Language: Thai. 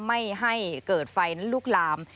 ไม่ให้เกิดไฟลูกลาม